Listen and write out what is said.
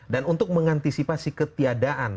dan untuk mengantisipasi ketiadaan